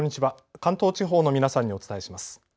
関東地方の皆さんにお伝えします。